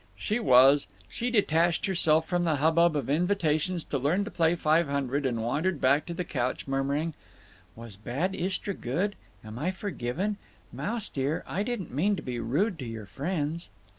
She was. She detached herself from the hubbub of invitations to learn to play Five Hundred and wandered back to the couch, murmuring: "Was bad Istra good? Am I forgiven? Mouse dear, I didn't mean to be rude to your friends."